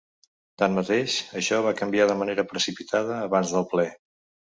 Tanmateix, això va canviar de manera precipitada abans del ple.